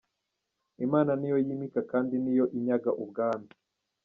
Imana niyo yimika kandi niyo inyaga ubwami.